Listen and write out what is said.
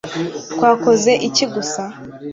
twakoze iki gusa